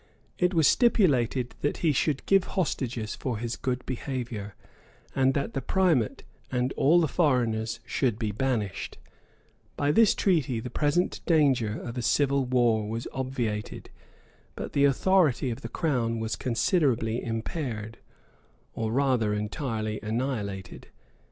It was stipulated that he should give hostages for his good behavior, and that the primate and all the foreigners should be banished: by this treaty the present danger of a civil war was obviated, but the authority of the crown was considerably impaired, or rather entirely annihilated.